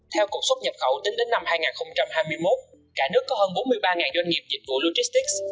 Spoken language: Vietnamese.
theo cục xuất nhập khẩu tính đến năm hai nghìn hai mươi một cả nước có hơn bốn mươi ba doanh nghiệp dịch vụ logistics